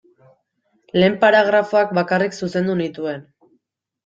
Lehen paragrafoak bakarrik zuzendu nituen.